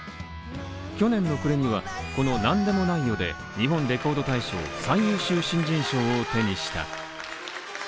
去年の暮れには、この「なんでもないよ、」で日本レコード大賞最優秀新人賞を手にした。